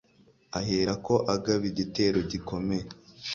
ahera ko agaba igitero gikomeye